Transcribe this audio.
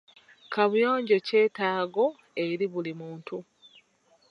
Kaabuyonjo kyetaago eri buli muntu.